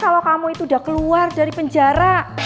kalau kamu itu udah keluar dari penjara